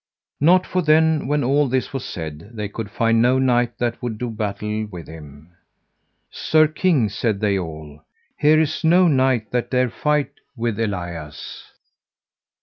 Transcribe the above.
Not for then when all this was said, they could find no knight that would do battle with him. Sir king, said they all, here is no knight that dare fight with Elias.